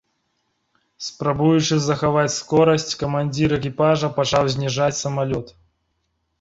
Спрабуючы захаваць скорасць, камандзір экіпажа пачаў зніжаць самалёт.